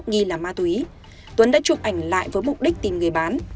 nghi là ma túy tuấn đã chụp ảnh lại với mục đích tìm người bán